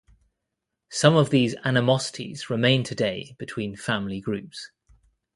Some of these animosities remain today between family groups.